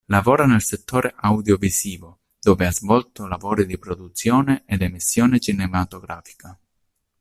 Lavora nel settore audiovisivo dove ha svolto lavori di produzione ed emissione cinematografica.